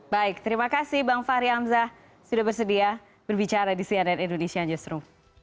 baik terima kasih bang fahri hamzah sudah bersedia berbicara di cnn indonesia newsroom